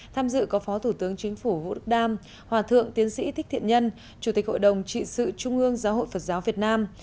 tham dự có phó thủ tướng chính phủ vũ đức đam hòa thượng tiến sĩ thích thiện nhân chủ tịch hội đồng trị sự trung ương giáo hội phật giáo việt nam